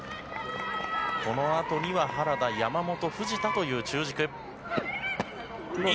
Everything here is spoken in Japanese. このあとに原田、山本、藤田という中軸。